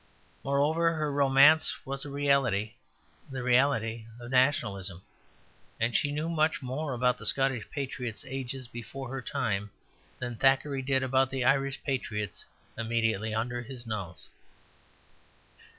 Moreover, her romance was a reality, the reality of nationalism; and she knew much more about the Scottish patriots ages before her time than Thackeray did about the Irish patriots immediately under his nose.